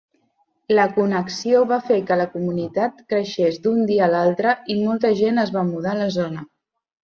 La connexió va fer que la comunitat creixés d'un dia a l'altre i molta gent es va mudar a la zona.